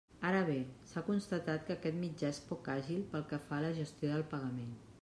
Ara bé, s'ha constatat que aquest mitjà és poc àgil pel que fa a la gestió del pagament.